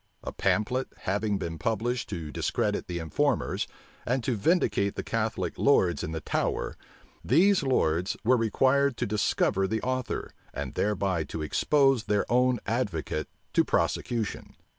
A pamphlet having been published to discredit the informers, and to vindicate the Catholic lords in the Tower, these lords were required to discover the author, and thereby to expose their own advocate to prosecution.